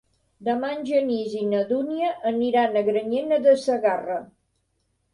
Demà en Genís i na Dúnia aniran a Granyena de Segarra.